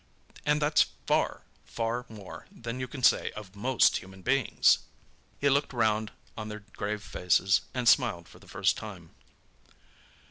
And that's far, far more than you can say of most human beings!" He looked round on their grave faces, and smiled for the first time.